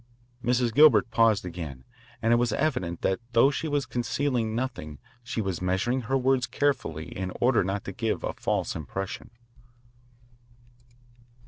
Mrs. Gilbert paused again, and it was evident that though she was concealing nothing she was measuring her words carefully in order not to give a false impression.